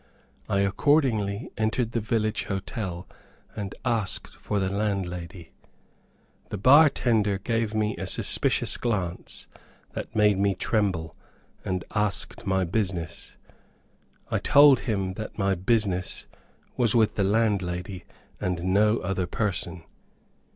I accordingly entered the village hotel and asked for the landlady. The bar tender gave me a suspicious glance that made me tremble, and asked my business. I told him my business was with the landlady and no other person.